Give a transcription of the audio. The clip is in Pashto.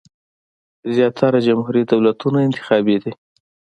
زیاتره جمهوري دولتونه انتخابي دي.